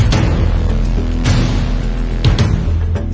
สวัสดีครับ